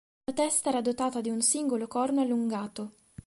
La testa era dotata di un singolo corno allungato.